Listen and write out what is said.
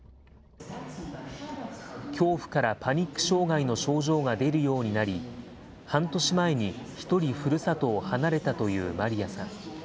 恐怖からパニック障害の症状が出るようになり、半年前に１人、ふるさとを離れたというマリアさん。